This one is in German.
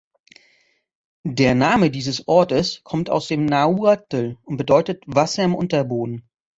Der Name dieses Ortes kommt aus dem Nahuatl und bedeutet „Wasser im Unterboden“.